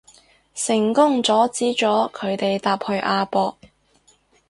成功阻止咗佢哋搭去亞博